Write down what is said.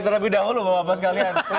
kita harus lebih dahulu bapak sekalian